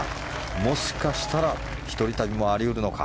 もしかしたら一人旅もあり得るのか。